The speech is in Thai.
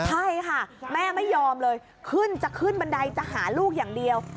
ใช่ค่ะแม่ไม่ยอมเลยขึ้นจะขึ้นบันไดจะหาลูกอย่างเดียว